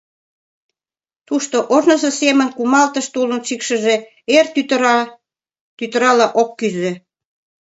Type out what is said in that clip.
Тушто ожнысо семын кумалтыш тулын шикшыже эр тӱтырала ок кӱзӧ.